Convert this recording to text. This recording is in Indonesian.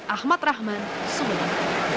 ahmad rahman sumeneb